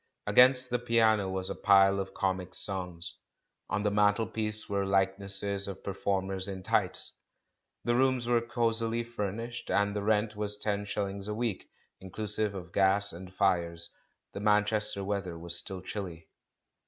Against the piano was a pile of comic songs; on the mantelpiece there were likenesses of per formers in tights. The rooms were cosily fur nished, and the rent was ten shillings a week in clusive of gas and fires ; the ^Manchester weather was still chilly.